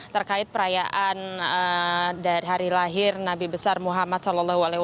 terkait perayaan dari hari lahir nabi besar muhammad saw